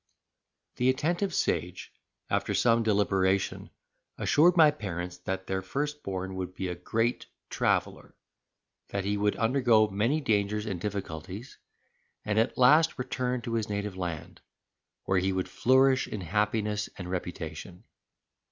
The attentive sage, after some deliberation, assured my parents, that their firstborn would be a great traveller; that he would undergo many dangers and difficulties, and at last return to his native land, where he would flourish in happiness and reputation.